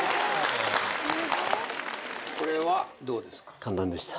これはどうですか？